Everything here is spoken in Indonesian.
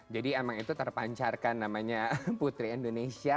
jadi emang itu terpancarkan namanya putri indonesia